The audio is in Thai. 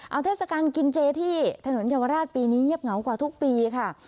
เอาเทศกาลกินเจที่ถนนเยาวราชปีนี้เงียบเหงากว่าทุกปีค่ะ